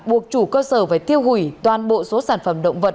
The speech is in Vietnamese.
buộc chủ cơ sở phải tiêu hủy toàn bộ số sản phẩm động vật